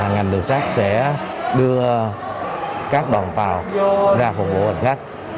ngành đường sát sẽ đưa các đoàn tàu ra phục vụ hành khách